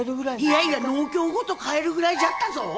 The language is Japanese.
いやいや農協ごと買えるぐらいじゃったぞ。